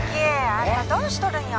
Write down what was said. ☎あんたどうしとるんよ